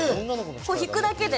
引くだけで。